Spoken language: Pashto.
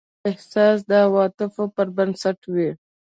دا د احساس او عواطفو پر بنسټ وي.